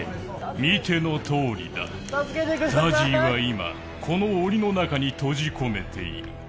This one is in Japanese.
見てのとおりだ、ＺＡＺＹを今この檻の中に閉じ込めている。